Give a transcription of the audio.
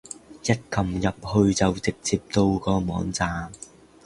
一撳入去就直接到個網站